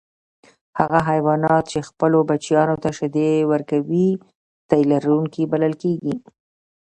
هغه حیوانات چې خپلو بچیانو ته شیدې ورکوي تی لرونکي بلل کیږي